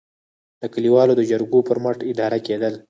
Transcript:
د کلیوالو د جرګو پر مټ اداره کېدل.